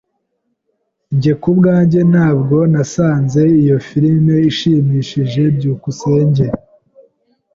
Njye kubwanjye ntabwo nasanze iyo firime ishimishije. byukusenge